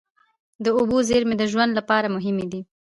د اوبو زیرمې د ژوند لپاره مهمې دي.